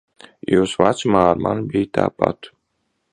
Jūsu vecumā ar mani bija tāpat.